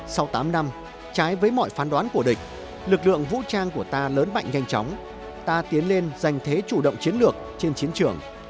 sau tám năm trái với mọi phán đoán của địch lực lượng vũ trang của ta lớn mạnh nhanh chóng ta tiến lên giành thế chủ động chiến lược trên chiến trường